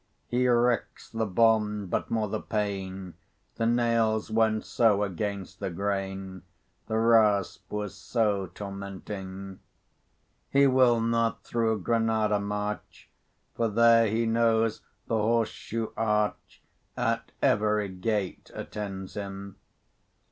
He recks the bond, but more the pain, The nails went so against the grain, The rasp was so tormenting. He will not through Gran[=a]da march, For there he knows the horse shoe arch At every gate attends him.